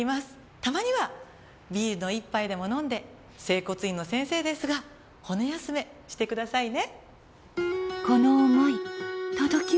たまにはビールの一杯でも飲んで整骨院の先生ですが骨休めしてくださいね。